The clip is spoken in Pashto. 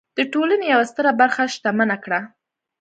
د ټولنې یوه ستره برخه شتمنه کړه.